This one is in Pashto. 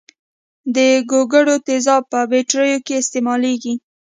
د ګوګړو تیزاب په بټریو کې استعمالیږي.